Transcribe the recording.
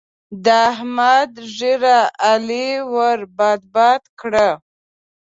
د احمد ږيره؛ علي ور باد باد کړه.